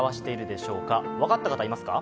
分かった方いますか？